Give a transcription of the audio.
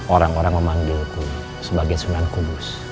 orang orang memanggilku sebagai sunan kudus